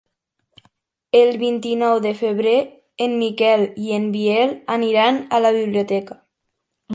El vint-i-nou de febrer en Miquel i en Biel aniran a la biblioteca.